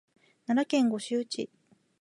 奈良県五條市